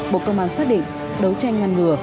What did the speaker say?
bộ công an xác định đấu tranh ngăn ngừa